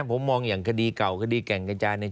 ผมมองอย่างคดีเก่าคดีแก่งกระจานเนี่ย